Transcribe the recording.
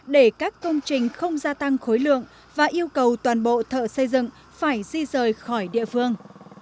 để các công trình không gia tăng khối lượng và yêu cầu toàn bộ thợ xây dựng phải di rời khỏi địa phương